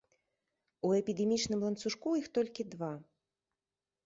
У эпідэмічным ланцужку іх толькі два.